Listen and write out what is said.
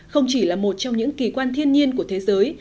không chỉ là một trong những kỳ quan thiên nhiên của thế giới